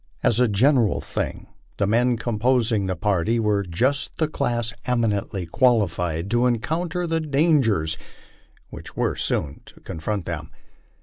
As a general thing the men composing the party were just the class eminently qualified to encounter the dangers which were soon to confront them.